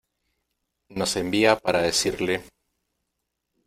nos envía para decirle...